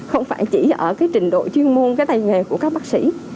không phải chỉ ở trình độ chuyên môn tài nghề của các bác sĩ